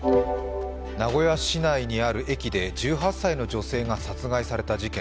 名古屋市内にある駅で１８歳の女性が殺害された事件。